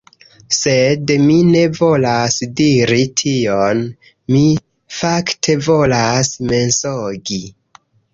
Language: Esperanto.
Sed... mi ne volas diri tion. Mi fakte volas mensogi.